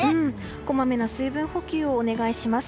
こまめな水分補給をお願いします。